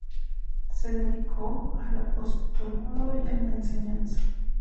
Se dedicó al apostolado y a la enseñanza.